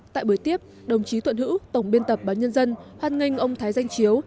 tại buổi tiếp đồng chí thuận hữu tổng biên tập báo nhân dân hoan nghênh ông thái danh chiếu